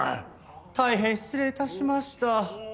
大変失礼致しました。